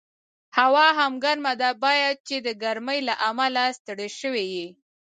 هوا هم ګرمه ده، باید چې د ګرمۍ له امله ستړی شوي یې.